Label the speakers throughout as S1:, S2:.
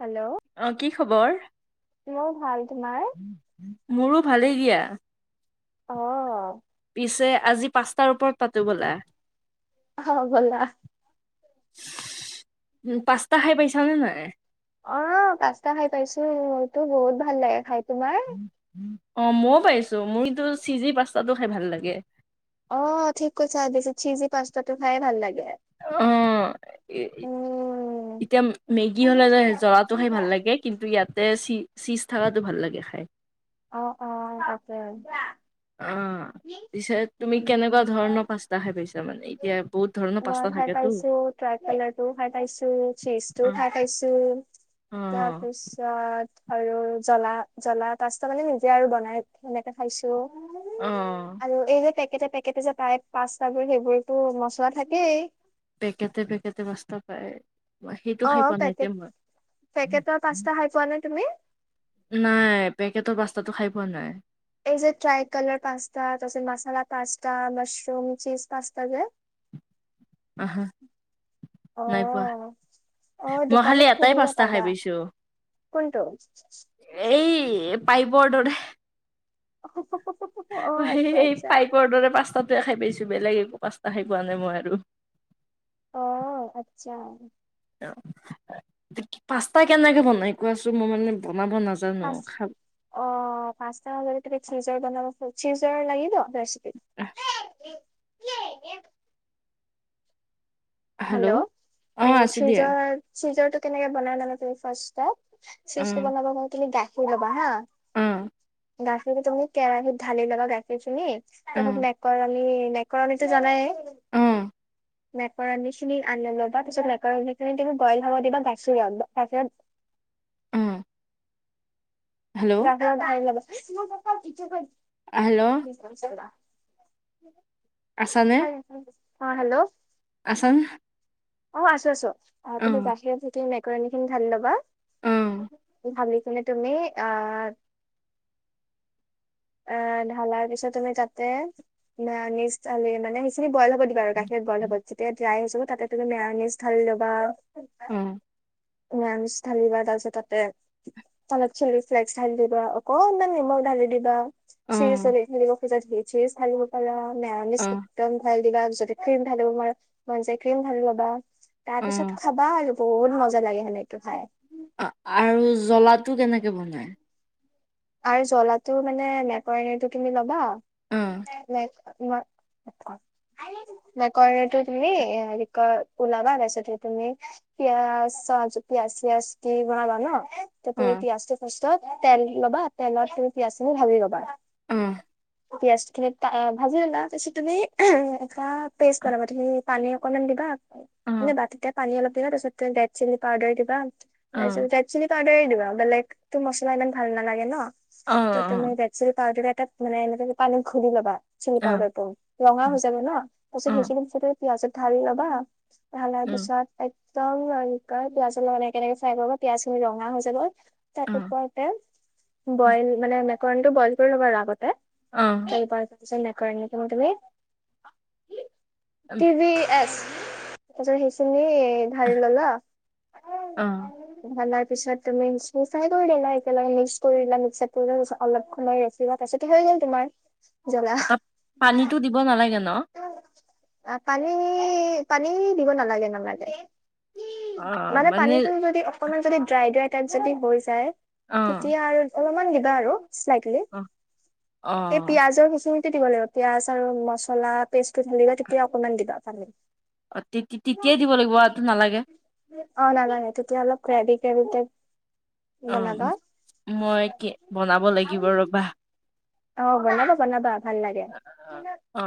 S1: Hello
S2: অ কি খবৰ
S1: মোৰ ভাল তোমাৰ
S2: মোৰো ভালেই দিয়া
S1: অ
S2: আজি পাঁচটাৰ ওপৰত পাতো ব'লা
S1: হ গ'লা
S2: উ পচ্তা খাই পাইছাানে নাই
S1: অ পাস্তা খাই পাইছো মোৰতো বহুত ভাল লাগে খাই তোমাৰ
S2: অ ময়ও পাইিছো মোৰ কিন্তু চিজি পাস্তাটো খাই ভাল লাগে
S1: অ ঠিক কৈছা বছ চিজি পা্তা টো খাইে ভাল লাগে
S2: অ
S1: উম
S2: এতিয়া মেগী হলে জ্বলাটো খাই ভাল লাগে কিন্তু ইয়াত তে চি চিজ থকাাতো ভাল লাগে খাই
S1: অ', অ', ততে।
S2: অ পিছে তুমি
S1: উম
S2: কেনেকুৱা ধৰণৰ পাস্তা খাই পাইছা মানে এতিয়া বহুত ধৰণৰ পাস্তা থাকেতো
S1: ট্ৰাক কেলাৰ টোও খাই পাইছো
S2: অ
S1: চীজটোও খাই খাইছো
S2: অ
S1: তাৰপিছত আৰু জ্বলা জ্বলা তচ মানে নিজে আৰু বনাই সেনেকে খাইছো।
S2: অ
S1: আৰু এই যে টা পেকেটে যে তায় পাস্তাবোৰ সেইবোৰতো মচলা থাকেই
S2: পেকেতে পেকেতে মস্ত পায় সেইটো
S1: অ
S2: খাই পোৱা নাই যে
S1: পেকেট
S2: মই
S1: পেকেটৰ পাস্তা খাই পোৱা নে তুমি?
S2: নাই পেকেটৰ পাস্তাতটো খাই পোৱা নাই
S1: এই যে ট্ৰাই কালাৰ পাস্তা তাৰছত masala pasta mushroom cheese pasta যে
S2: আহা
S1: অ
S2: নাই পোৱা।
S1: অ
S2: মই খালি
S1: দোকানত
S2: এটাই
S1: খুজিবা
S2: পাস্তা
S1: পাবা
S2: খাই পিছো
S1: কোনটো?
S2: এই পাই
S1: অ আচ্ছা আচ্ছা
S2: পাইপৰ দৰে পাস্তাটোয়ে খাই পাইছো। বেলেগ এক পচ্তা শে পোৱা নাই মই আৰু
S1: আহ আচ্ছা
S2: পাস্তা কেনেকে বনাই কোৱাছো মই মানে বনাব নাজানো খাব
S1: অ পচাজ তুমি চিজৰ বনাব চিজৰ লাগিিব সশ হেল্ল'।
S2: অ
S1: অহ,
S2: আছো দিয়া
S1: চিজৰ চিজৰটো কেনেকে বনাই মানে তুমি ফাৰ্ষ্টতে, চিজ [unintelligible] তুমি গাখীৰ ল'বা হা।
S2: উম'।
S1: গাখীৰ তুমি কেৰাহিত ঢালি ল'বা গাখীৰখিনি,
S2: অ
S1: তাৰপিছত মেকৰনি মেক কৰাণিতো জানাই
S2: অ
S1: কৰা আনি খিনি, আনি লবা তাৰ পিছত মেকৰণি খিনি তুমি বইল হ'ব দিবা গাখীৰত গাখী
S2: উম'।
S1: [unintelligible]
S2: হেল্ল'
S1: [unintelligible]
S2: আছা নে?
S1: অহ' হেল্লো'।
S2: চুন।
S1: অহ' আছো, আছো। অহ, তুমি গাখীৰত থাকি নে। গাৰ্নী খিনি ঢালি লবা,
S2: অ
S1: ঢালি কিনে তুমি আহ
S2: [inaudible]
S1: অ' ঢালাৰ পিছত তুমি তাতে মেয়নিচ্ ঢালি, সেইখিনি বইল হ'ব দিবা আৰু গাখীৰ বইল হ'ব, যেতিয়া ড্ৰাই হৈ যাব তাতে তুমি মেৱনিচ ঢালি ল'বা আৰু।
S2: উম।
S1: [unintelligible] ঢালিবা তাৰপিছত তাতে তলত চিলি ফ্লেকস ঢালি দিবা, অকনমান নিমখ ঢালি দিবা।
S2: অ
S1: চি চলি মেলিব খোজে [unintelligible] থালিব পৰা
S2: অ
S1: মেৰনিছ, একদম ভাল। দিবা যদি ক্ৰীম ঢালিব মন যায়, ক্ৰীম ঢালি ল'বা। তাৰ পিছতো খাবা আৰু, বহুত মজা লাগে সেনেকে খাই।
S2: আৰু জলাটো কেনেকে বনাই?
S1: আৰু জ্বলাটো মানে মেকৰেণিটো তুমি ল'বা
S2: অ
S1: [unintelligible] মেকৰণীতো তুমি, হেৰি কৰি ওলাবা, তাৰপিছতে তুমি পিয়াজ জুপি আছি আচিল বনাবা ন। তাৰ পৰা
S2: অ
S1: তুমি পিয়াজটো ফাৰ্ষ্টত, তেল ল'বা, তেলত তুমি পিয়াজটো ভাজি ল'বা
S2: উম।
S1: পিঁয়াজখিনি টা এ, ভাজি ল'লা তাৰপিছত, তুমি [unintelligible] এটা পেষ্ট বনাবা তুমি, পানী অকণমান দিবা। মানে
S2: অ
S1: বাতিতে পানী অলপ দিবা, তাৰ পিছতে ৰেড চিলি পাউদাৰ দিবা, তাৰ
S2: অ
S1: পিছত ৰেড চিলি পাউদাৰ সেই দিবা। বেলেগটো মছলা ইমান ভাল নালাগে ন। ত' তুমি ৰেলচিলি পাউদা‌ এ। তাত মানে এনেকে পানী ঘূলি ল'বা, চিলি পাউদাৰটো, ৰঙা হৈ যাব ন, তাৰ পিছত সেইখিনি পিছতে পিঁয়াজত ঢালি লবা, ঢালাৰ পিছত এক একদম এনেকৈ পিয়াজ অলপ এনেকে-এনেকে চাই ল'বা, পিয়াজ খিনি ৰঙা হৈ যাব। তাৰ ওপৰতে বইল মানে মেকৰনটো বইল কৰি ল'বা আৰু আগতে। তাৰপিছত মেকৰোণী খন তুমি। [inaudible] টি ভি এছ তাৰপিছত সেইখিনি ধালি ললা, ধালাৰ পিছত তুমি সেইখিনি ফ্ৰাই কৰি ল'লা। [unintelligible] কৰিলা মিচাৰটোৰ ওচৰত অলপ সময় ৰখিবা তাৰপিছতে হৈ গ'ল তোমাৰ। জ্বলা
S2: তাত পানীতো দিব নালাগে ন।
S1: অ' পানী, পানী দিব নালাগে, নালাগে। উম' মানে পানীতটো যদি অকণমান যদি ড্ৰাই ড্ৰাই টাইপ যদি হৈ যায়
S2: অ
S1: তেতিয়া আৰু অলপমান দিবা আৰু, চা্ইটলি
S2: অ অ
S1: এই পিঁয়াজৰ কিছুমান দিব লাগিব পিয়াজ আৰু মছলা পেষ্টটো ঢালিবা তেতিয়া অকনমান দিবা পানী।
S2: অহ' তিতি তেতিয়া দিব লাগিব আৰু টো নালাগে।
S1: অহ' নালাগে, তেতিয়া অলপ গ্ৰেভি কৰি তাইপ
S2: অহ' মই কি বনাব লাগিব ৰবা।
S1: অ বনাব বনাবা ভাল লাগে।
S2: অ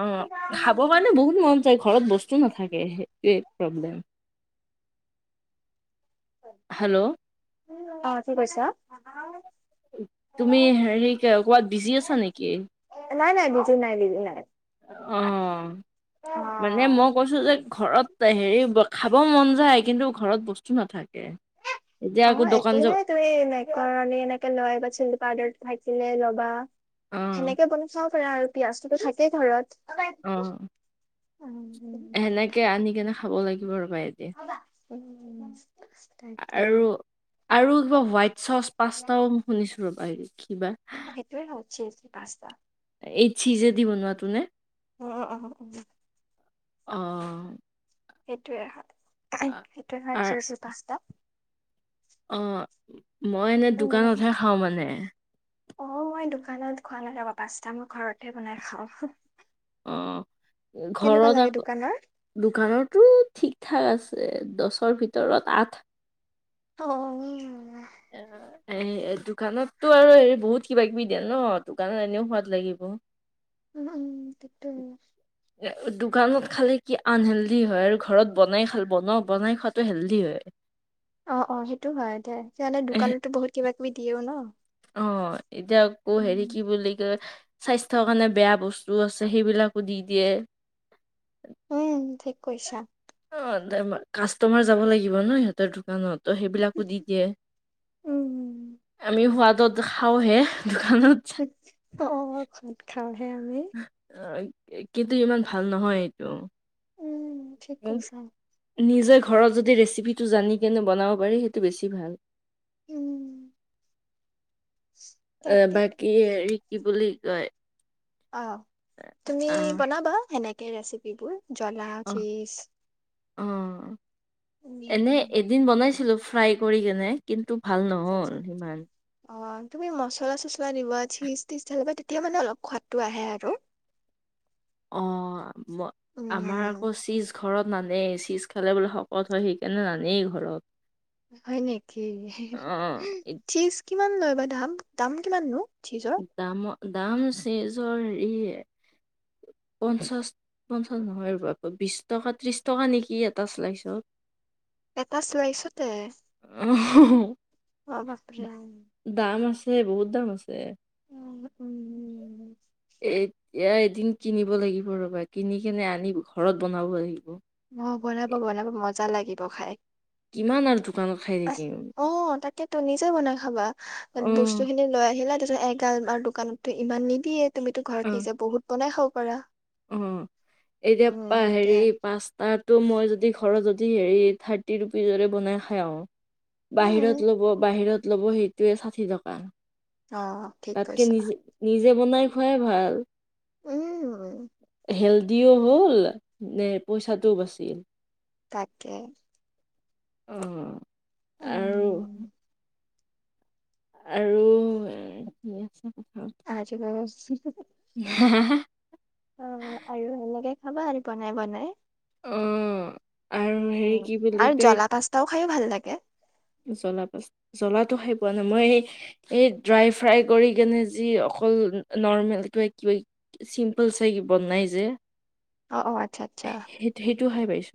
S2: খাব কাৰণে বহুত মন ঘৰত বস্তু নাথাকে সেইটোৱে। প্ৰব্লেম, হেল্ল'
S1: অ কি কৈছা?
S2: তুমি হেৰি ক'বাত বিজি আছা নেকি?
S1: নাই নাই বিজু নাইজ নাই।
S2: অ মানে মই কৈছো যে ঘৰত। হেৰি খাব মন যায় কিন্তু ঘৰত বস্তু নাথাকে। এতিয়া
S1: অ
S2: আকৌ দোকান
S1: একো
S2: যাব
S1: নাই তুমি নে কৰণী এনেকে লয় বা চিলকা ৰদত থাকিলে বা। বা
S2: অ
S1: সেনেকে বনাই চাব পাৰা আৰু পিয়াজটোতো থাকেই ঘৰত।
S2: আহ।
S1: উম
S2: সেনেকে আনি কেনে খাব লাগিব ৰবা এদিন।
S1: উম। তাকে।
S2: আৰু আৰু কিবা হোৱাইট চচ পাস্তাও শুনিছো ৰবা হেৰি কিবা।
S1: সেইটোৱে হয় চিজ পাস্তা।
S2: এই চিজেদি বনোৱাটো নে?
S1: উম উম উম
S2: অ
S1: সেইটোৱে হয় সেইটোয়ে হয়
S2: আৰ
S1: চি পাঁচটা।
S2: অ মই এনে
S1: উম
S2: দোকানতহে খাওঁ মানে।
S1: অ মই দোকানত খোৱা নাযাব পাচটাৰ মই ঘৰতে বনাই খাওঁ।
S2: অ
S1: কেনেকুৱা
S2: ঘৰত
S1: লাগে
S2: আকৌ
S1: দোকানৰ
S2: দোকানতো ঠিক ঠাক আছে। দছৰ ভিতৰত আঠ।
S1: অ।
S2: অ। এ দোকানতটো আৰু হেৰি বহুত কিবা কিবি দিয়ে ন দোকানত এনেও সোৱাদ লাগিব।
S1: ইমান কিতোচ।
S2: দোকানত খালে কি আনহেল্ডি হয়, আৰু ঘৰত বনাই খাল বনা বনাই খোৱাতটো হেল্ডি হয়।
S1: অ অ সেইটো হয় এ সাহে
S2: এহ,
S1: দোকানতো বহুত কিবা কিবি দিয়েও ন।
S2: অ এতিয়া আকৌ হেৰি
S1: উম,
S2: কি বুলি কয়। স্বাস্থ্যৰ কাৰণে বেয়া বস্তু আছে সেইবিলাকো দি দিয়ে।
S1: উম ঠিক কৈছা।
S2: অ কাষ্টমাৰ যাব লাগিব ন সিহঁতৰ দোকানত। ত সেইবিলাকো দি দিয়ে
S1: উম
S2: আমি সোৱাদত খাওঁহে। দোকানত
S1: অ খাত খাওঁহে আমি।
S2: অ, কিন্তু ইমান ভাল নহয় এইটো।
S1: উম, ঠিক কৈছা।
S2: নিজৰ ঘৰত যদি ৰেচিপিটো জানি কেনে বনাব পাৰি সেইটো বেছি ভাল।
S1: উম।
S2: এ
S1: তাকে
S2: বাকী হৰি কি বুলি কয়?
S1: অ তুমি
S2: আহ
S1: বনাবা সেনেকে ৰেচিপিবোৰ জ্বলা,
S2: অ
S1: চিজ
S2: অ এনে এদিন বনাইছিলো ফ্ৰাই কৰি কেনে কিন্তু। ভাল
S1: আা
S2: নহল সিমান
S1: আা অ তুমি মচলা চছলা দিবা চিজ তিচ থাকিলে তেতিয়া মানে অলপ সোৱাদটো আহে আৰু।
S2: অ ম আমাৰ
S1: উম।
S2: আকৌ চিজ ঘৰত নানেই চীজ খালে বোলে শকত হয় সেইকাৰণে নানেই ঘৰত।
S1: হয় নেকি
S2: অ ই-
S1: চিজ কিমান লয় বা দাম দাম কিমাননো? চীজৰ?
S2: দামৰ দাম চেজৰ হেৰিয়ে পঞ্চাশ পঞ্চাশ নহয় আকৌ বিশ টকা ত্ৰিশ টকা নেকি এটা চিলাইছত।
S1: এটা চোৱাইছতে। অ' বাপৰে।
S2: এ বহুত দাম আছে।
S1: উম উম
S2: এতিয়া এদিন কিনিব লাগিব ৰ'বা। কিনি কেনে আনি ঘৰত বনাব লাগিব।
S1: অ বনাব বনাব মজা লাগিব খাই
S2: কিমান আৰু দোকানত খাই থাকিম।
S1: টো নিজে বনাই খাবা
S2: অ
S1: বস্তু খিনি লৈ আহিলা তাৰপিছত এগাল আৰু দোকানতো ইমান নিদিয়ে তুমিতো
S2: অ
S1: ঘৰত নিজে বহুত বনাই খাব পাৰা।
S2: অ' এতিয়া পা,
S1: উম
S2: হেৰি
S1: সেইটোয়ে
S2: পাঁচ তাতো মই যদি ঘৰত যদি হে থাৰ্টি ৰুপিজৰে বনাই খাই আৰু
S1: উম
S2: বাহিৰত ল'ব, বাহিৰত ল'ব হেইটোৱে ছাঠি টকা।
S1: অ ঠিক
S2: তাতকে
S1: কৈছা
S2: নিজে নিজে বনাই খুৱাই ভাল
S1: উম
S2: হেল দিও হ'ল নে পইচাটোও বাচ
S1: তাকে।
S2: অ' আৰু
S1: উম
S2: আৰু কি আছে? কথা
S1: আজি বাউ
S2: হা হা হা
S1: অ আৰু সেনেকে খাবা আৰু বনাই বনাই
S2: অ আৰু হেৰি
S1: উম
S2: কি বুলি
S1: আৰু
S2: কয়
S1: জ্বলা পাস্তাও খাইয়ো ভাল লাগে
S2: জ্বলা পা জ্বলাটো খাই পোৱা নাই মই এই এই ড্ৰাই ফ্ৰাই কৰি কেনে যি অকল নৰ্মেল কিবা কিবা চিম্পল চাই বনাই যে
S1: অ অ আচ্ছা আচ্ছা
S2: সেই সেইটো খাই পাইছো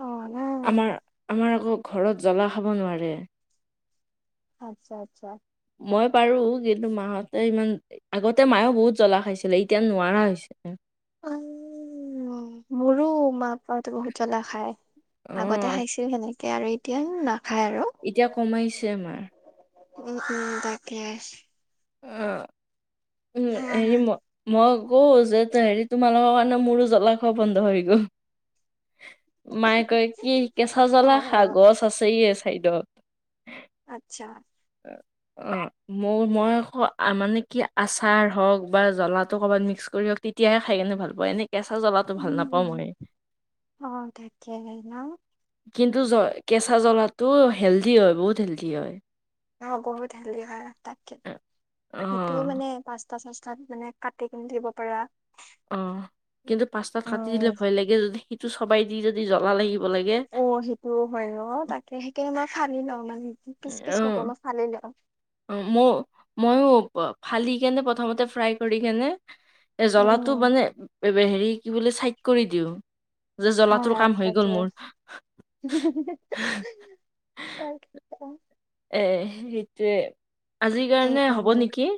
S1: অ ন
S2: আমাৰ আকৌ ঘৰত জ্বলা খাব নোৱাৰে
S1: আচ্ছা, আচ্ছা।
S2: মই পাৰোঁ কিন্তু মাহঁতে ইমান, আগতে মায়েও বহুত জ্বলা খাইছিলে এতিয়া নোৱাৰা হৈছে।
S1: উ মোৰো মা [unintelligible] বহুত জ্বলা খায়
S2: অ
S1: আগতে খাইছিল সেনেকে আৰু এতিয়া না
S2: এতিয়া কমাইছে আমাৰ।
S1: উম উম তাকে
S2: অ উম এই ম ম কও যে হেৰি তোমালোকৰ কাৰণে মোৰো জ্বলা খোৱা বন্ধ হৈ গ'ল মায়ে কয় কি কেঁচা
S1: অ
S2: জ্বলা খা গছ আছে চাইডত
S1: আত্ছা।
S2: অ মই মই আকৌ মানে কি আচাৰ হওক বা জ্বলাটো কবাত মিক্স কৰিওক তেতিয়াহে খাই কিনে ভাল পোৱা এনেই কেঁচা জ্বলাটো ভাল নাপাওঁ
S1: উম
S2: মই।
S1: অ তাকে ন
S2: কিন্তু জ, কেঁচা জ্বলাটো হেলডি হয় বহুত হেলডি হয়।
S1: অ' বহুত হেল্ডি হয় তাকে, হেটোও
S2: অ'
S1: মানে পাচ [unintelligible] যেনে কাটি কিনি দিব পাৰা
S2: অ কিন্তু পাস্তাত কাটি দিলে
S1: উম
S2: ভয় লাগে যদি সিটো চোবাই দি যদি জ্বলা লাগিব লাগে
S1: অ সেইটোও হয় ন তাকে সেইকাৰণে মই ফালি লওঁ মানে পিচ পিচ নকৰো
S2: অ',
S1: মই ফালি লওঁ
S2: অ' মই, ময়ো ফালি কেনে প্ৰথমতে ফ্ৰাই কৰি কেনে এ জলাটো
S1: উম
S2: মানে হেৰি কি বোলে চাইড কৰি দিওঁ। যে
S1: অ
S2: জ্বলাটোৰ কাম হৈ গ'ল
S1: তাকে
S2: মোৰ।
S1: তাৰ
S2: এ সেইটোৱে আজিৰ
S1: উম
S2: কাৰণে হ'ব
S1: উম
S2: নেকি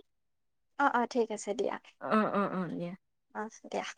S1: অ', অ' ঠিক আছে দিয়া
S2: উ, উ, উ দিয়া।
S1: অ দিয়া।